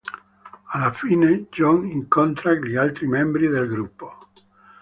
Alla fine, Jon incontra gli altri membri del gruppo.